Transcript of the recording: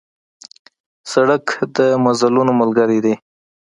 سړک د مزلونو ملګری دی.